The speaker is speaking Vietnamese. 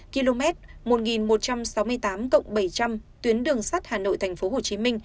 km một nghìn một trăm sáu mươi tám cộng bảy trăm linh tuyến đường sắt hà nội tp hcm